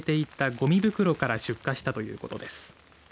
ごみ袋から出火したということです。